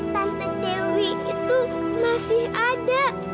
tante dewi itu masih ada